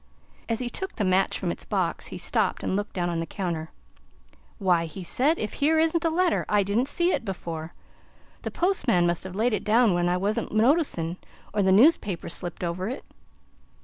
As he took the match from its box, he stopped and looked down on the counter. "Why!" he said, "if here isn't a letter! I didn't see it before. The postman must have laid it down when I wasn't noticin', or the newspaper slipped over it."